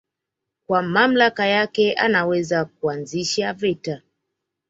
Kwa mamlaka yake anaweza kuanzisha vita